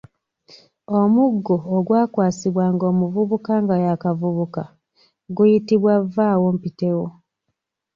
Omuggo ogwakwasibwanga omuvubuka nga y'akavubuka guyitibwa vvaawompitewo.